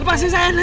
lepaskan saya nek